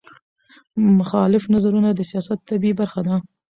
مخالف نظرونه د سیاست طبیعي برخه ده